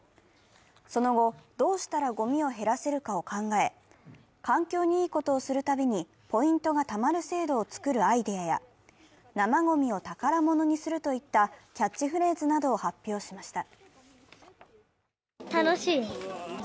その後、どうしたらごみを減らせるかを考え環境にいいことをするたびにポイントがたまる制度をつくるアイデアや生ごみを宝物にするといったキャッチフレーズなどを発表しました。